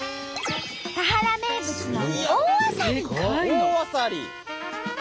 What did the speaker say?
田原名物の大あさり！